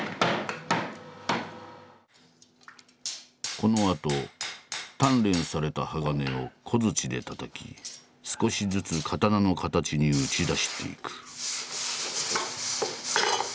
このあと鍛錬された鋼を小槌でたたき少しずつ刀の形に打ち出していく。